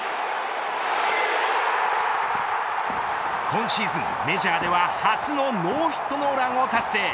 今シーズン、メジャーでは初のノーヒットノーランを達成。